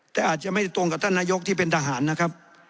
แต่อาจจะไม่ได้ตรงกับท่านนายกที่เป็นทหารนะครับ